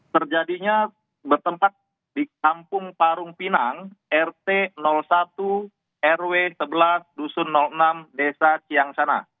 terjadinya bertempat di kampung parung pinang rt satu rw sebelas dusun enam desa kiang sana